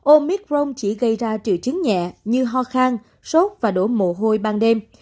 ômitron chỉ gây ra triệu chứng nhẹ như ho khang sốt và đổ mồ hôi ban đêm